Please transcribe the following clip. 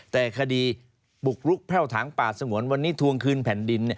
แต่คดีบุกรุกแพ่วถางป่าสงวนวันนี้ทวงคืนแผ่นดิน